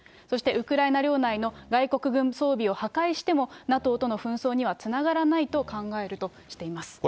そしてウクライナ領内の外国軍装備を破壊しても、ＮＡＴＯとの紛争にはつながらないと考えるとしています。